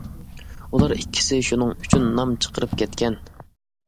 ئۇلار ئىككىسى شۇنىڭ ئۈچۈن نام چىقىرىپ كەتكەن.